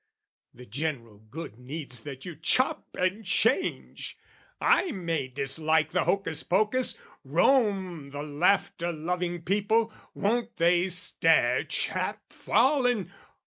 The general good needs that you chop and change! I may dislike the hocus pocus, Rome, The laughter loving people, won't they stare Chap fallen!